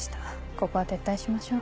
ここは撤退しましょう。